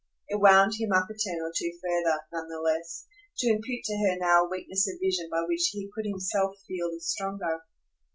It wound him up a turn or two further, none the less, to impute to her now a weakness of vision by which he could himself feel the stronger.